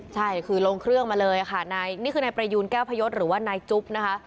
ใช่คือลงเครื่องมาเลยค่ะนี่คือนายประยูนแก้วพยศหรือว่านายจุ๊บนะคะ